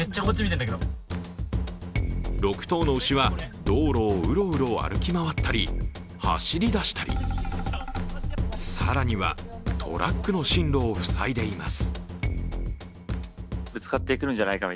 ６頭の牛は道路をうろうろ歩き回ったり走り出したり更には、トラックの進路を塞いでいます。